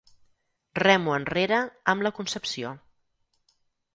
Remo enrere amb la Concepció.